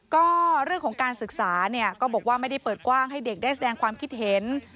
ก็เรื่องของการศึกษาเนี่ยก็บอกว่าไม่ได้เปิดกว้างให้เด็กได้แสดงความคิดเห็น